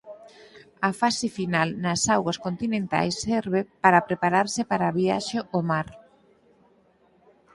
A fase final nas augas continentais serve para prepararse para a viaxe ó mar.